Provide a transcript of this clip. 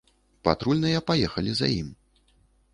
Патрульныя паехалі за ім.